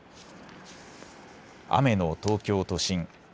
雨の東京都心。